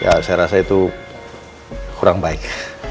ya saya rasa itu kurang baik